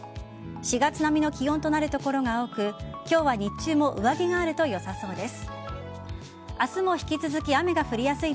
４月並みの気温となる所が多く今日は日中も上着があるとよさそうです。